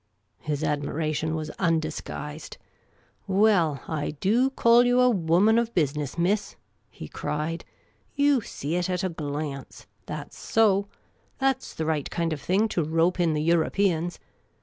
His admiration was undisguised. " Well, I do call you a woman of bu.siness, mi.ss," he cried. " You see it at a glance. That 's so. That 's the right kind of thing to rope in the Europeans.